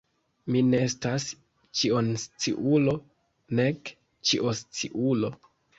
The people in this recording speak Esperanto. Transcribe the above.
Mi ne estas ĉionsciulo, nek ĉiosciulo.